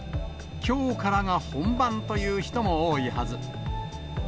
きょうからが本番という人も多いはず。